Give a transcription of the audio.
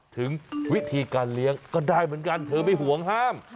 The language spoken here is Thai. ถึงวิธีการเลี้ยงก็ได้เหมือนกันเธอไม่ห่วงห้าม